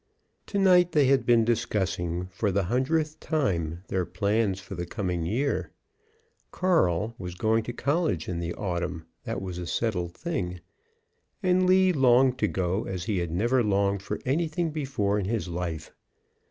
To night they had been discussing for the hundredth time their plans for the coming year. Carl (was going to college in the autumn, that was a settled thing), and Lee longed to go as he had never longed for anything before in his life.